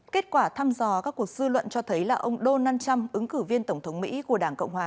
kết quả thăm dò các cuộc dư luận cho thấy là ông donald trump ứng cử viên tổng thống mỹ của đảng cộng hòa